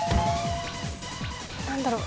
何だろう？